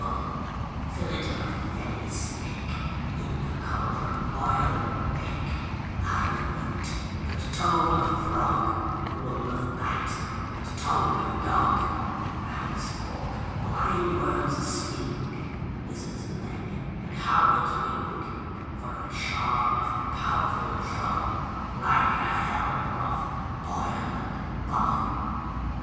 SECOND WITCH. Fillet of a fenny snake, In the cauldron boil and bake; Eye of newt, and toe of frog, Wool of bat, and tongue of dog, Adder's fork, and blind worm's sting, Lizard's leg, and howlet's wing, For a charm of powerful trouble, Like a hell broth boil and bubble.